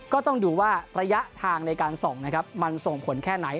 ก็ต้องดูว่าระยะทางในการส่องนะครับมันส่งผลแค่ไหน